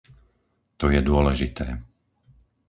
To je dôležité.